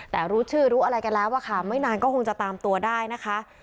แต่รู้ชื่อรู้อะไรกันแล้วอะค่ะไม่นานก็คงจะตามตัวได้นะคะ